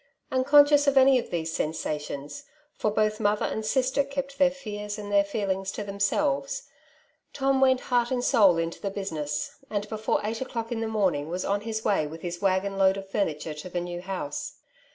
Unconscious of any of these sensations — for both mother and sister kept their fears and their feelings to themselves — Tom went heart and soul into the business^ and before eight o'clock in the morning was on his way with his waggon load of fumitare to the new house.